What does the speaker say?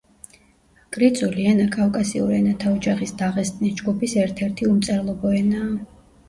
კრიწული ენა კავკასიურ ენათა ოჯახის დაღესტნის ჯგუფის ერთ-ერთი უმწერლობო ენაა.